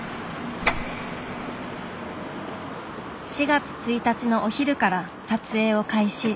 ４月１日のお昼から撮影を開始。